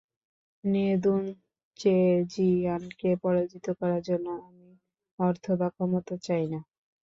নেদুনচেজিয়ানকে পরাজিত করার জন্য আমি অর্থ বা ক্ষমতা চাই না।